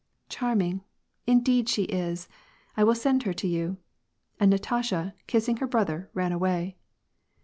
" Charming ! Indeed she is. I will send her to you." And Natasha, kissing her brother, ran away.